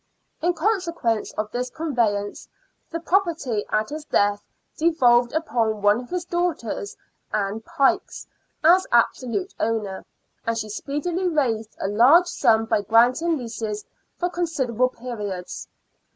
In consequence of this conveyance, the property at his death devolved upon one of his daughters, Ann Pykes, as absolute owner, and she speedily raised a large sum by granting leases for considerable periods.